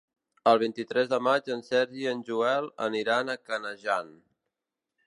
El vint-i-tres de maig en Sergi i en Joel aniran a Canejan.